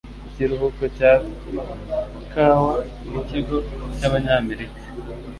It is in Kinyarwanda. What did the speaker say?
Ikiruhuko cya kawa nikigo cyabanyamerika.